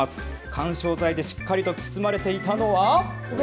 緩衝材でしっかりと包まれていたのは。